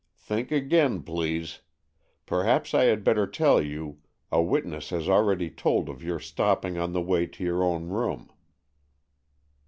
"Think again, please. Perhaps I had better tell you, a witness has already told of your stopping on the way to your own room."